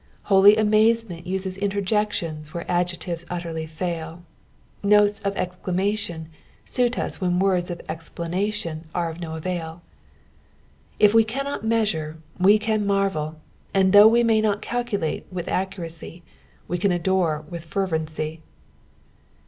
Holy amazement uses interjections where adjectives utterly laiL Notes of exclamation suit us when words of eiplanation are of no avail. If we cannot measure we can marvel ; and though we ma; not calculate with accuracy, wo can adore with fervency.